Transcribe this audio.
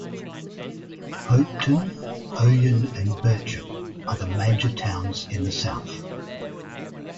Hopetoun, Ouyen and Birchip are the major towns in the south.